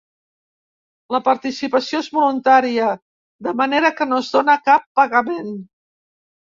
La participació és voluntària, de manera que no es dona cap pagament.